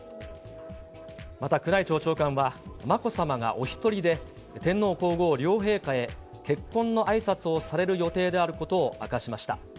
また、宮内庁長官は、まこさまがお１人で天皇皇后両陛下へ結婚のあいさつをされる予定であることを明かしました。